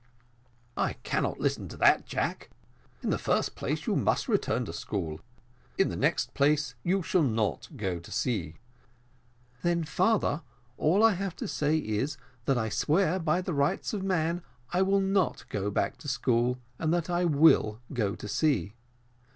"I cannot listen to that, Jack. In the first place, you must return to school; in the next place, you shall not go to sea." "Then, father, all I have to say is, that I swear by the rights of man I will not go back to school, and that I will go to sea.